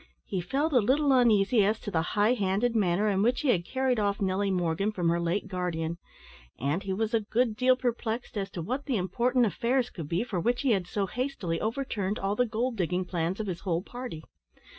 He felt a little uneasy as to the high handed manner, in which he had carried off Nelly Morgan from her late guardian; and he was a good deal perplexed as to what the important affairs could be, for which he had so hastily overturned all the gold digging plans of his whole party.